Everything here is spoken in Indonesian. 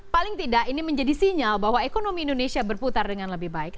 paling tidak ini menjadi sinyal bahwa ekonomi indonesia berputar dengan lebih baik